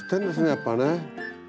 やっぱね。